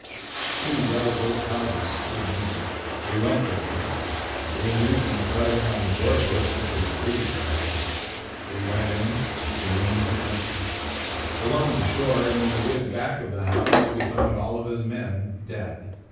Two well built houses stood near. We went to them. We knew from the carving on the door posts that they were Leif's. We went in. The rooms were empty. Along the shore and in the wood back of the house we found all of his men, dead.